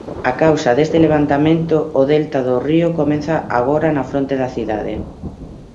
A causa deste levantamento o delta do río comeza agora na fronte da cidade.